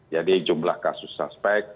jadi jumlah kasus suspek